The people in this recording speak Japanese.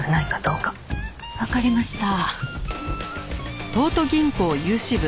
わかりました。